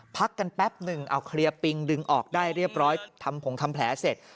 พักกันแป๊บหนึ่งเอาเคลียร์ปิงดึงออกได้เรียบร้อยทำผงทำแผลเสร็จ